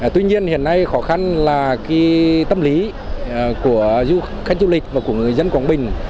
tuy nhiên hiện nay khó khăn là tâm lý của du khách du lịch và của người dân quảng bình